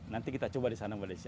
nanti kita coba disana mbak desi